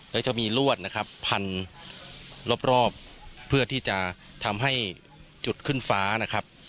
แล้วจะมีลวดนะครับพันรอบเพื่อที่จะทำให้จุดขึ้นฟ้านะครับ